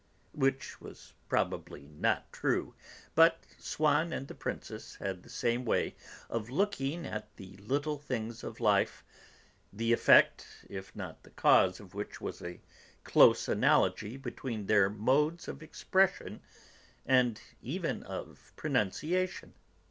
Which was probably not true. But Swann and the Princess had the same way of looking at the little things of life the effect, if not the cause of which was a close analogy between their modes of expression and even of pronunciation.